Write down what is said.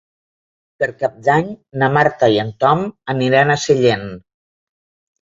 Per Cap d'Any na Marta i en Tom aniran a Sellent.